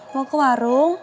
mau ke warung